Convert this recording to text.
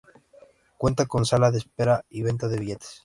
Cuenta con sala de espera, y venta de billetes.